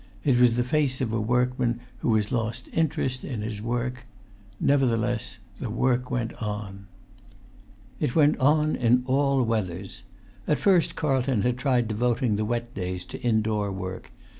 It was the face of a workman who has lost interest in his work. Nevertheless, the work went on. It went on in all weathers. At first Carlton had tried devoting the wet days to indoor work.